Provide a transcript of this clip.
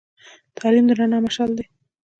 تعلیم د رڼا مشعل دی.